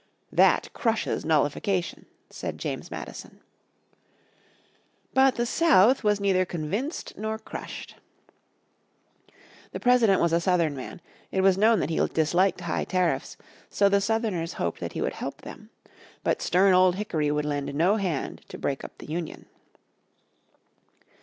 "That crushes nullification," said James Madison. But the South was neither convinced nor crushed. The President was a Southern man, it was known that he disliked high tariffs, so the Southerners hoped that he would help them. But stern Old Hickory would lend no hand to break up the Union.